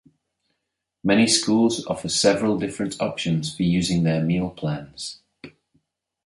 Many schools offer several different options for using their meal plans.